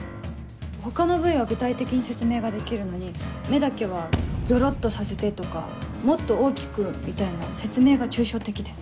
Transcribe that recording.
他の部位は具体的に説明ができるのに目だけは「ギョロっとさせて」とか「もっと大きく」みたいな説明が抽象的で。